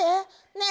ねえ